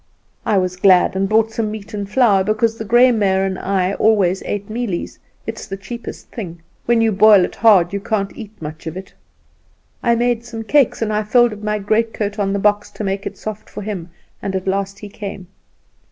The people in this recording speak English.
"I was glad, and bought some meat and flour, because the grey mare and I always ate mealies; it is the cheapest thing; when you boil it hard you can't eat much of it. I made some cakes, and I folded my great coat on the box to make it softer for him; and at last he came.